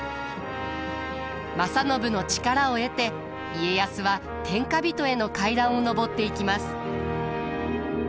正信の力を得て家康は天下人への階段を上っていきます。